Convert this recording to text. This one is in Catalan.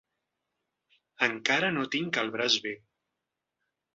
Encara no tinc el braç bé